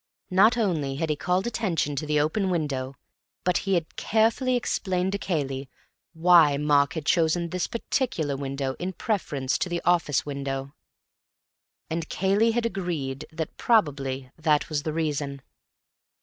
Not only had he called attention to the open window, but he had carefully explained to Cayley why Mark had chosen this particular window in preference to the office window. And Cayley had agreed that probably that was the reason.